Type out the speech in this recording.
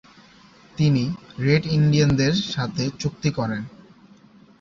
তিনি রেড ইন্ডিয়ানদের সাথে চুক্তি করেন।